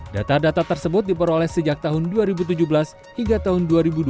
data data tersebut diperoleh sejak tahun dua ribu tujuh belas hingga tahun dua ribu dua puluh